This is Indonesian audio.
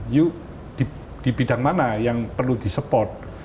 yuk di bidang mana yang perlu di support